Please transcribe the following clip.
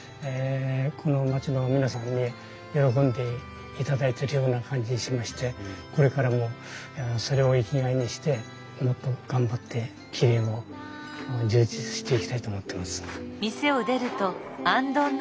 この町の皆さんに喜んでいただいてるような感じしましてこれからもそれを生きがいにしてもっと頑張って切り絵も充実していきたいと思ってます。